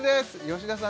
吉田さん